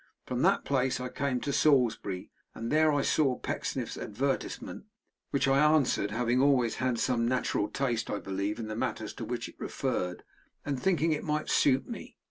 From that place I came to Salisbury, and there I saw Pecksniff's advertisement, which I answered, having always had some natural taste, I believe, in the matters to which it referred, and thinking it might suit me.